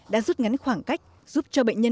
đã rút ngắn khoảng cách giúp cho bệnh nhân